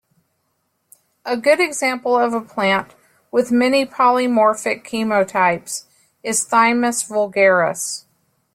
A good example of a plant with many polymorphic chemotypes is "Thymus vulgaris".